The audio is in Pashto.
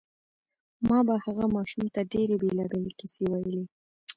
ما به هغه ماشوم ته ډېرې بېلابېلې کیسې ویلې